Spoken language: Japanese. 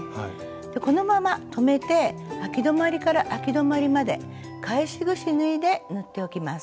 このまま留めてあき止まりからあき止まりまで返しぐし縫いで縫っておきます。